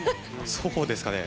そうですかね。